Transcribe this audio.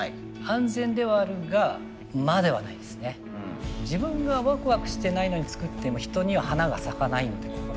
安全ではあるが自分がワクワクしてないのに作っても人には華が咲かない。